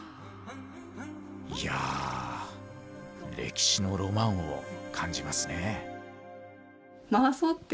いや歴史のロマンを感じますね。